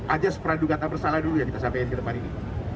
aja seperadu kata bersalah dulu yang kita sampaikan di depan ini